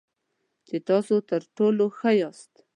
چې تاسو تر ټولو ښه یاست .